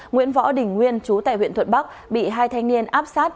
nguyễn võ đình nguyên chú tại huyện thuận bắc bị hai thanh niên áp sát